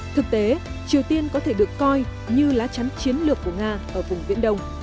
thực tế triều tiên có thể được coi như lá chắn chiến lược của nga ở vùng viễn đông